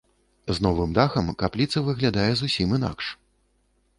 З новым дахам капліца выглядае зусім інакш.